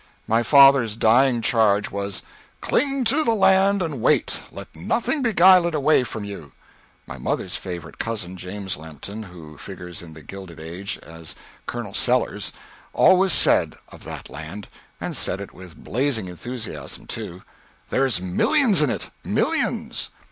My father's dying charge was, "Cling to the land and wait; let nothing beguile it away from you." My mother's favorite cousin, James Lampton, who figures in the "Gilded Age" as "Colonel Sellers," always said of that land and said it with blazing enthusiasm, too, "There's millions in it millions!"